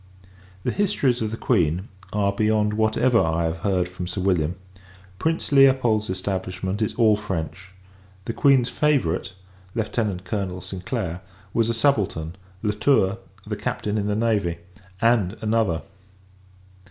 The histories of the Queen are beyond whatever I have heard from Sir William. Prince Leopold's establishment is all French. The Queen's favourite, Lieutenant Colonel St. Clair, was a subaltern; La Tour, the Captain in the navy; and, another!